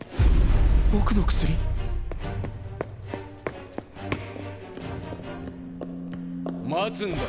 僕の薬？待つんだ